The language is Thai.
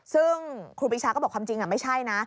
ซึ่งครูปีชาก็บอกความจริงไม่ใช่นะ